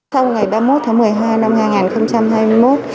sau ngày ba mươi một tháng một mươi hai năm hai nghìn hai mươi một